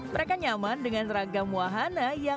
mereka nyaman dengan ragam wahana yang